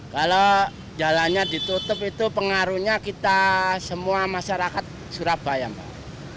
kalau jalannya ditutup itu pengaruhnya kita semua masyarakat surabaya pak